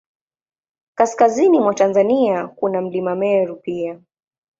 Kaskazini mwa Tanzania, kuna Mlima Meru pia.